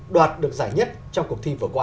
đoạt được giải nhất trong cuộc thi vừa qua